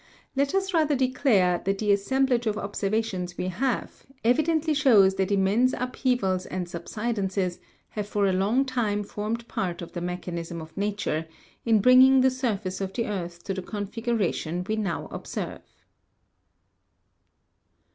Let us rather declare, that the assem blage of observations we have, evidently shows that immense upheavals and subsidences have for a long time formed part of the mechanism of nature, in bringing the surface of the earth to the configuration we now observe.